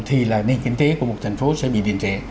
thì nền kinh tế của một thành phố sẽ bị điện rẻ